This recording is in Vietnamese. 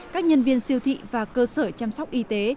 các nhân viên siêu thị và cơ sở chăm sóc y tế